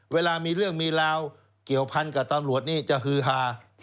เวลามีเรื่องมีราวเกี่ยวพันกับตำรวจนี่จะฮือฮา